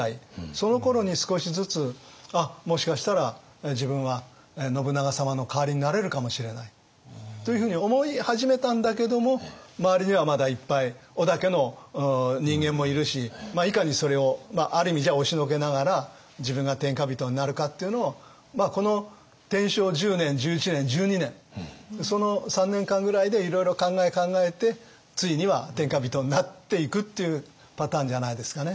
そのころに少しずつもしかしたら自分は信長様の代わりになれるかもしれないというふうに思い始めたんだけども周りにはまだいっぱい織田家の人間もいるしいかにそれをある意味押しのけながら自分が天下人になるかっていうのをこの天正１０年１１年１２年その３年間ぐらいでいろいろ考え考えてついには天下人になっていくっていうパターンじゃないですかね。